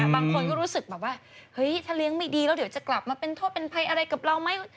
บางคนก็รู้สึกแบบว่าเฮ้ยถ้าเลี้ยงไม่ดีแล้วเดี๋ยวจะกลับมาเป็นโทษเป็นภัยอะไรกับเราไหม